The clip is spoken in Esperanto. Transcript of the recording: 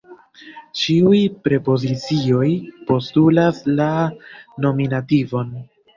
Ĉiuj prepozicioj postulas la nominativon.